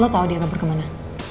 lo tau dia kabur kemana